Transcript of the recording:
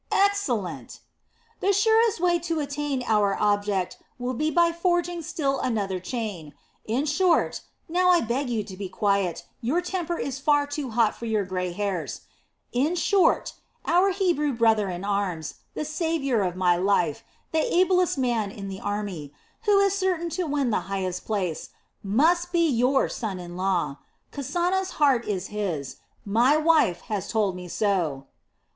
"Excellent!" "The surest way to attain our object will be by forging still another chain. In short now I beg you to be quiet, your temper is far too hot for your grey hairs in short, our Hebrew brother in arms, the saviour of my life, the ablest man in the army, who is certain to win the highest place, must be your son in law. Kasana's heart is his my wife has told me so."